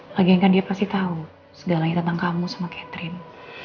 lagi kan dia pasti tahu segalanya tentang kamu sama catherine